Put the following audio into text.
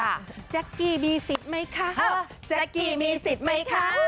ไม่มีแน่หรอกเธอ